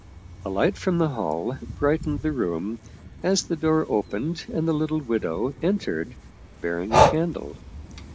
A light from the hall bright ened the room as the door opened and the little widow en tered, bearing a candle.